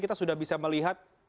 kita sudah bisa melihat